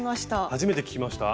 初めて聞きました？